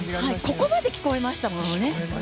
ここまで聞こえましたもんね。